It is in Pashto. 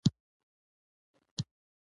هغې بهرنۍ دسیسې ته متوجه کړو.